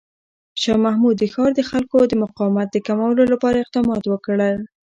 شاه محمود د ښار د خلکو د مقاومت د کمولو لپاره اقدامات وکړ.